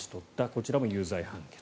こちらも有罪判決。